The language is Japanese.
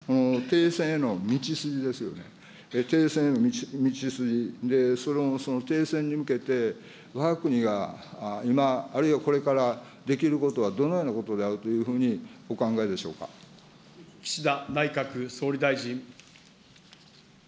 そこで伺いたいのは、停戦への道筋ですよね、停戦への道筋、停戦に向けてわが国が今、あるいはこれからできることはどのようなことであるというふうに岸田内閣総理大臣。